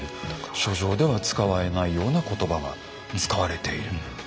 書状では使われないような言葉が使われている。